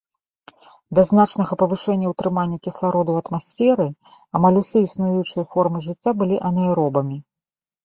Да значнага павышэння ўтрымання кіслароду ў атмасферы амаль усе існуючыя формы жыцця былі анаэробамі.